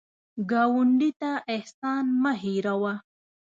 ګاونډي ته احسان مه هېر وهه